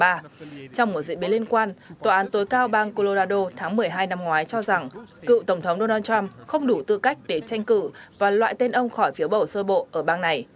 trong một diễn biến liên quan tòa án tối cao bang colorado tháng một mươi hai năm ngoái cho rằng cựu tổng thống donald trump không đủ tư cách để tranh cử và loại tên ông khỏi phiếu bầu sơ bộ ở bang này